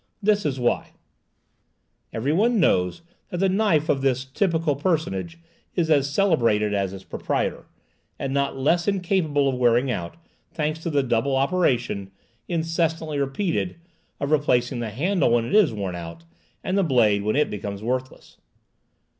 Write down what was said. This is why:— Every one knows that the knife of this typical personage is as celebrated as its proprietor, and not less incapable of wearing out, thanks to the double operation, incessantly repeated, of replacing the handle when it is worn out, and the blade when it becomes worthless.